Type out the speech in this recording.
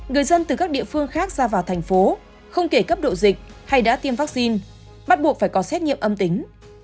người dân từ các địa phương khác ra vào thành phố không kể cấp độ dịch hay đã tiêm vaccine bắt buộc phải có xét nghiệm âm tính